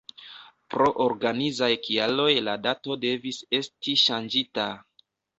Pro organizaj kialoj la dato devis esti ŝanĝita!.